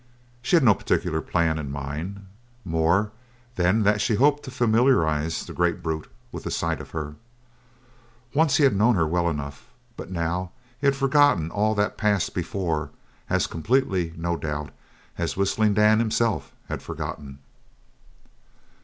She had no particular plan in mind, more than that she hoped to familiarize the great brute with the sight of her. Once he had known her well enough, but now he had forgotten all that passed before as completely, no doubt, as Whistling Dan himself had forgotten.